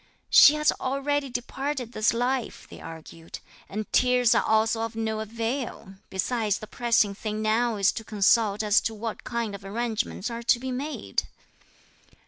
"She has already departed this life," they argued, "and tears are also of no avail, besides the pressing thing now is to consult as to what kind of arrangements are to be made."